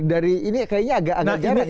dari ini kayaknya agak agak jarak ya